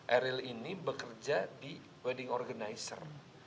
eril ini bekerja di wedding organizer